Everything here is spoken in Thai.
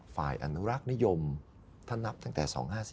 ฝ่ายอนุรักษ์นิยมถ้านับตั้งแต่๒๕๔